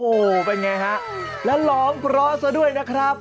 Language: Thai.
โหเป็นไงฮะแล้วหลอมเพราะเสียด้วยนะครับ